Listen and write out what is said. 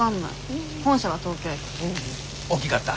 大きかった？